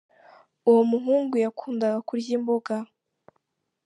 Uwo muhungu yakundaga kurya imboga.